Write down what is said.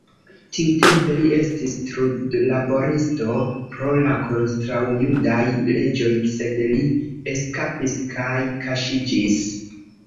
Tiutempe li estis trudlaboristo pro la kontraŭjudaj leĝoj, sed li eskapis kaj kaŝiĝis.